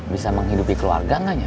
bisa menghidupi keluarga gak nyat